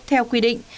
theo quy định